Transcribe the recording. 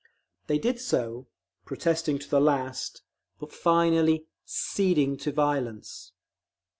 They did so, protesting to the last, but finally "ceding to violence."